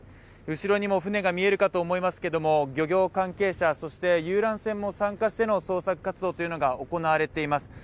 後ろにも船が見えるかと思いますが、漁業関係者、そして遊覧船も参加して捜索活動というのが行われています。